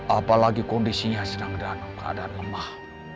apalagi kondisinya sedang dalam keadaan lemah